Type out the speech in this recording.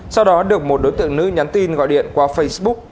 sau đó được một đối tượng nữ nhắn tin gọi điện qua facebook